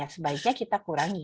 sebaiknya kita kurangi